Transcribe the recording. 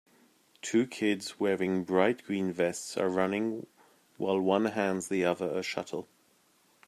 Two kids wearing bright green vests are running while one hands the other a shuttle.